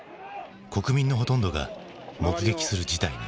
国民のほとんどが目撃する事態に。